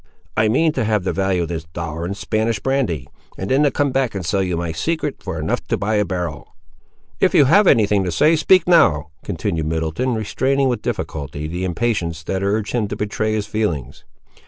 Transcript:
"I mean to have the value of this dollar in Spanish brandy, and then come back and sell you my secret for enough to buy a barrel." "If you have any thing to say, speak now," continued Middleton, restraining with difficulty the impatience that urged him to betray his feelings.